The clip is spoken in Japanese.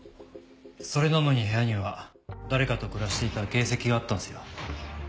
それなのに部屋には誰かと暮らしていた形跡があったんすよ。